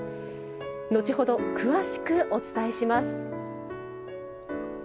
後ほど詳しく、お伝えします。